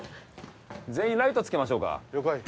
全員ライトつけましょうか了解